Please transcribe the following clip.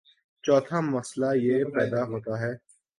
چوتھا مسئلہ یہ پیدا ہوتا ہے